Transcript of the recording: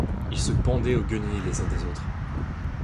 Ils se pendaient aux guenilles les uns des autres.